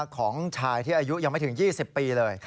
ของชายที่อายุยังไม่ถึง๒๐ปีเลย